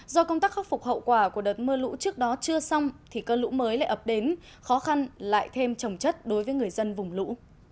do công tác khắc phục hậu quả của đợt mưa lũ trước đó chưa xong thì cơn lũ mới lại ập đến khó khăn lại thêm trồng chất đối với người dân vùng lũ